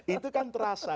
itu kan terasa